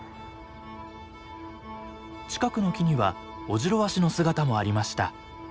近くの木にはオジロワシの姿もありました。